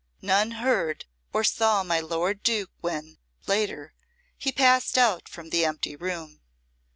None heard or saw my lord Duke when, later, he passed out from the empty room.